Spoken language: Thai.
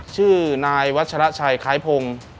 ชื่อนายวัชระชัยคล้ายพงศ์